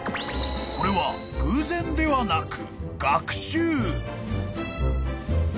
［これは偶然ではなく］